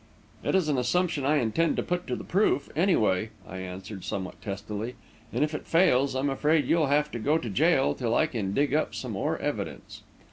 "It's an assumption I intend to put to the proof, anyway," I answered, somewhat testily, "and if it fails, I'm afraid you'll have to go to jail till I can dig up some more evidence."